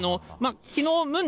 きのう